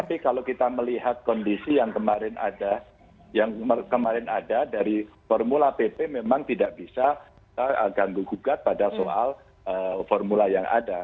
tapi kalau kita melihat kondisi yang kemarin ada yang kemarin ada dari formula pp memang tidak bisa ganggu gugat pada soal formula yang ada